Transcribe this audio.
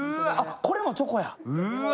これもチョコや！